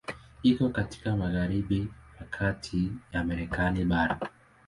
Iko katika magharibi ya kati ya Marekani bara.